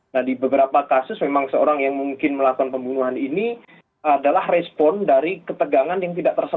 nah di beberapa kasus memang seorang yang mungkin melakukan pembunuhan ini adalah respon dari ketegangan yang tidak tersentuh